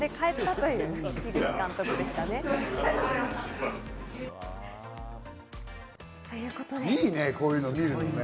いいね、こういうの見るのね。